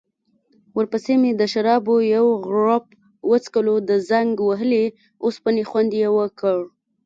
ورپسې مې د شرابو یو غوړپ وڅکلو، د زنګ وهلې اوسپنې خوند يې وکړ.